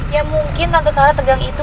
ya mungkin tante suara tegang itu